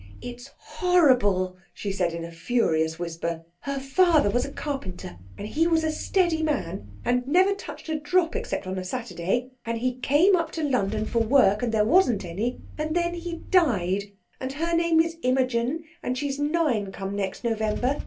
"It's horrible!" she said in a furious whisper, "her father was a carpenter and he was a steady man, and never touched a drop except on a Saturday, and he came up to London for work, and there wasn't any, and then he died; and her name is Imogen, and she's nine come next November.